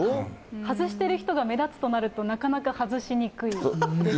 外してる人が目立つとなると、なかなか外しにくいですよね。